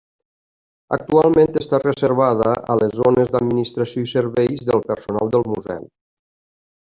Actualment està reservada a les zones d'administració i serveis del personal del museu.